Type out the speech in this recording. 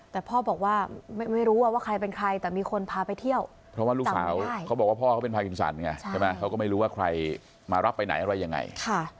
แต่พ่อบอกว่าไม่รู้ว่าใครเป็นใครแต่มีคนพาไปเที่ยวเพราะว่าลูกสาวเขาบอกว่าพ่อเขาเป็นพากินสันไงใช่ไหมเขาก็ไม่รู้ว่าใครมารับไปไหนอะไรยังไง